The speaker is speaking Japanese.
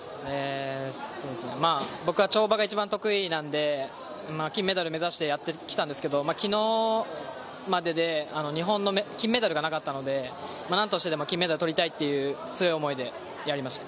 僕は跳馬が一番得意なので金メダル目指してやってきたんですが、昨日までで日本の金メダルがなかったので、なんとしてでも金メダルをとりたいっていう強い思いでやりました。